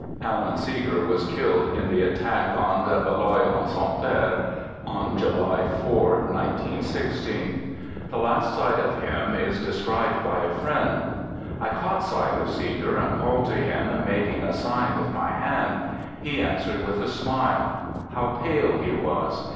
Alan Seeger was killed in the attack on Belloy en Santerre, on July 4, 191 6. The last sight of him is described by a friend :" I caught sight of Seeger and called to him, making a sign with my hand. He answered with a smile. How pale he was!